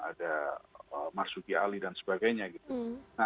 ada marsuki ali dan sebagainya